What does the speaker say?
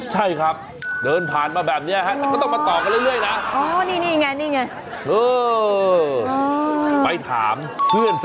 ให้พระเดินเหรอ